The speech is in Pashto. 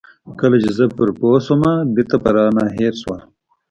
کله چې زه پرې پوه شوم بېرته به رانه هېر شول.